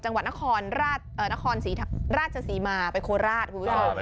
จังหวะนครณ์ราชสีนาไปโคนราช